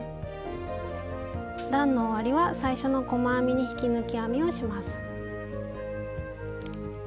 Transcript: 段の終わりは最初の細編みに引き抜き編みをします。